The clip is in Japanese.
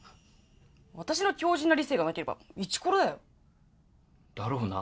私の強じんな理性がなければイチコロだよだろうな